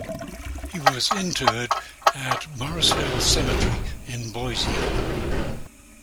He was interred at Morris Hill Cemetery in Boise.